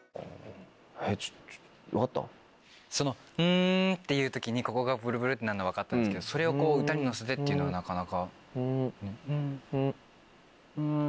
んっていう時にここがブルブルってなるのは分かったんですけどそれを歌に乗せてっていうのはなかなか。